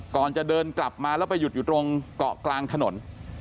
ก่อนจะเดินกลับมาแล้วไปหยุดอยู่ตรงเกาะกลางถนน